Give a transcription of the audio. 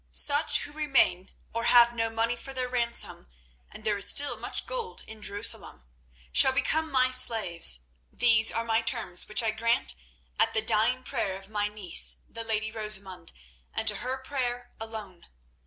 Such who remain or have no money for their ransom—and there is still much gold in Jerusalem—shall become my slaves. These are my terms, which I grant at the dying prayer of my niece, the lady Rosamund, and to her prayer alone.